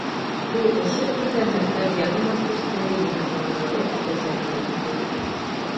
Ул ошо көндә мәктәп яны мастерскойы йыһазландырылып бөтәсәген әйтте.